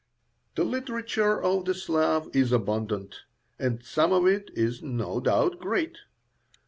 The literature of the Slav is abundant, and some of it is no doubt great.